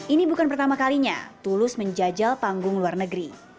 ini bukan pertama kalinya tulus menjajal panggung luar negeri